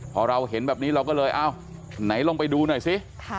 พอเราเห็นแบบนี้เราก็เลยเอ้าไหนลงไปดูหน่อยสิ